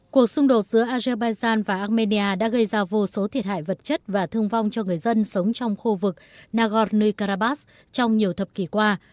cuộc xung đột giữa azerbaijan và armenia đã gây ra vô số thiệt hại vật chất và thương vong cho người dân sống trong khu vực nagorno karabakh trong nhiều thập kỷ qua